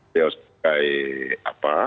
dia sebagai apa